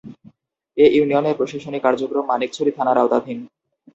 এ ইউনিয়নের প্রশাসনিক কার্যক্রম মানিকছড়ি থানার আওতাধীন।